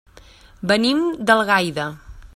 Venim d'Algaida.